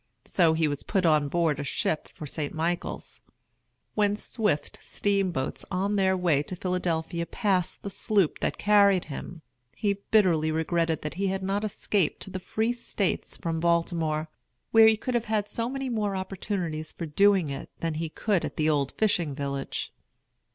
So he was put on board a ship for St. Michael's. When swift steamboats on their way to Philadelphia passed the sloop that carried him, he bitterly regretted that he had not escaped to the Free States from Baltimore, where he could have had so many more opportunities for doing it than he could at the old fishing village.